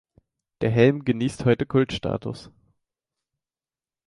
Der Helm genießt heute Kultstatus.